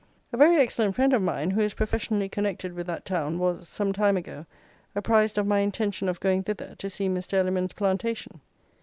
A very excellent friend of mine, who is professionally connected with that town, was, some time ago, apprised of my intention of going thither to see Mr. Elliman's plantation.